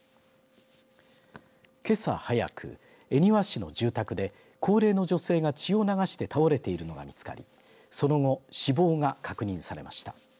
けさ早く、恵庭市の住宅で高齢の女性が血を流して倒れているのが見つかりその後、死亡が確認されました。